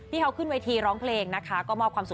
ที่เขาขึ้นเวทีร้องเพลงนะคะก็มอบความสุข